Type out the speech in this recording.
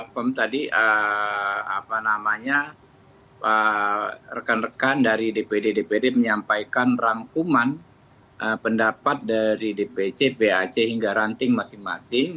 pem tadi apa namanya rekan rekan dari dpd dpd menyampaikan rangkuman pendapat dari dpc bac hingga ranting masing masing